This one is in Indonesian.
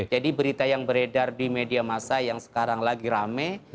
jadi berita yang beredar di media masa yang sekarang lagi rame